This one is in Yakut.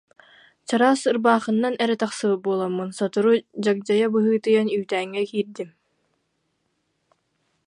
Чараас ырбаахынан эрэ тахсыбыт буоламмын сотору дьагдьайа быһыытыйан үүтээҥҥэ киирдим